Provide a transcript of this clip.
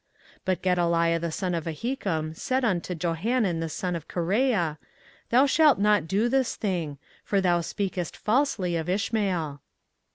24:040:016 But Gedaliah the son of Ahikam said unto Johanan the son of Kareah, Thou shalt not do this thing: for thou speakest falsely of Ishmael.